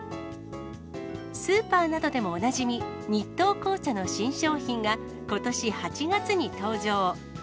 スーパーなどでもおなじみ、日東紅茶の新商品が、ことし８月に登場。